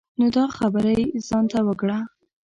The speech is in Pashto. نو دا خبری ځان ته وکړه.